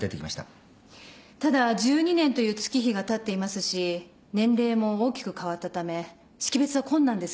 ただ１２年という月日がたっていますし年齢も大きく変わったため識別は困難です。